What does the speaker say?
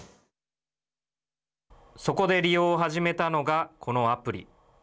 そこで利用を始めたのがこのアプリ。